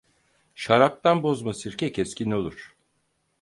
Şaraptan bozma sirke keskin olur.